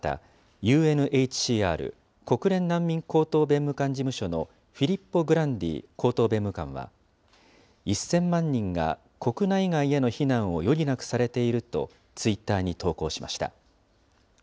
また、ＵＮＨＣＲ・国連難民高等弁務官事務所のフィリッポ・グランディ高等弁務官は、１０００万人が国内外への避難を余儀なくされているとツイッターに投稿しました。